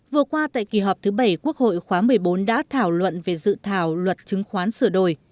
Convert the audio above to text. vừa qua tại kỳ họp thứ bảy quốc hội khóa một mươi bốn đã thảo luận về dự thảo luật chứng khoán sửa đổi